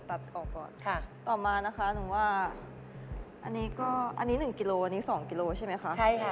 ต่อมานะคะอันนี้ก็๑กิโลกรัมอันนี้๒กิโลกรัมใช่ไหมคะ